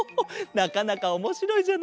なかなかおもしろいじゃないか。